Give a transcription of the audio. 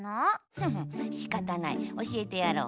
ふふんしかたないおしえてやろう。